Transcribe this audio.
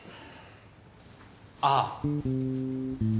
ああ！